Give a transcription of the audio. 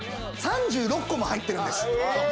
３６個も入ってるんです。